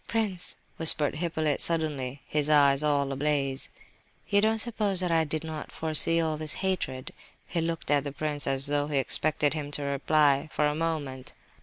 "Prince," whispered Hippolyte, suddenly, his eyes all ablaze, "you don't suppose that I did not foresee all this hatred?" He looked at the prince as though he expected him to reply, for a moment.